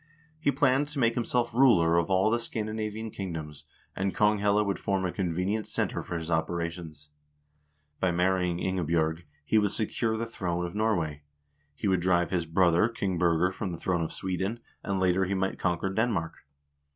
He planned to make himself ruler of all the Scandi navian kingdoms, and Konghelle would form a convenient center for his operations. By marrying Ingebj0rg he would secure the throne of Norway; he would drive his brother King Birger from the throne of Sweden, and later he might conquer Denmark.